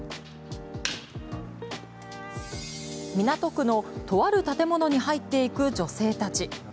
港区のとある建物に入っていく女性たち。